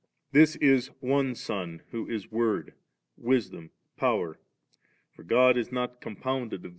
This is One Son, who is Word, Wisdom, Power; for God is not compounded of these.